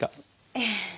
ええ。